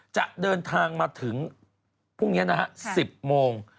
จะเดินทางมาถึงพรุ่งนี้นะฮะ๑๐โมง